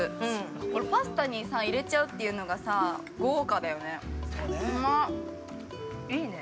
これ、パスタに入れちゃうというのがさ、豪華だよね。